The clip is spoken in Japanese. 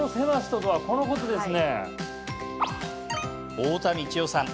太田三千代さん。